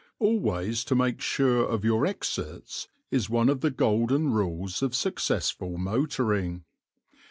Always to make sure of your exits is one of the golden rules of successful motoring.